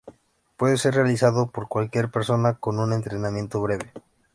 Puede ser realizado por cualquier persona con un entrenamiento breve.